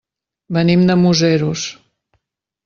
Venim de Museros.